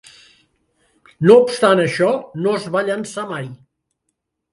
No obstant això, no es va llançar mai.